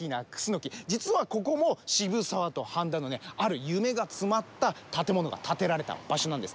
実はここも渋沢と繁田のある夢が詰まった建物が建てられた場所なんです。